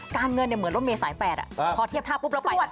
การเงินเนี่ยเหมือนรถเมศสายแปดพอเทียบท่าปุ๊บแล้วไป